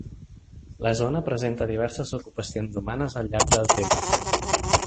La zona presenta diverses ocupacions humanes al llarg del temps.